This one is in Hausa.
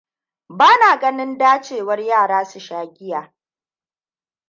Bana ganin dacewar yara su sha giya.